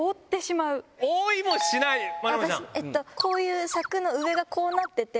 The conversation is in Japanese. ピンポン柵の上がこうなってて。